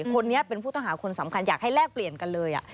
คนนี้เป็นผู้ต้องหาคนสำคัญอยากให้แลกเปลี่ยนกันเลย